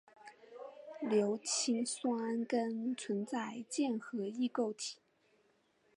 硫氰酸根存在键合异构体。